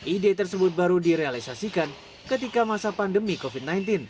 ide tersebut baru direalisasikan ketika masa pandemi covid sembilan belas